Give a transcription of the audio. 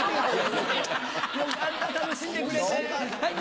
よかった楽しんでくれて。